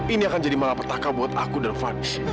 ini akan jadi mengapa takau buat aku dan fadz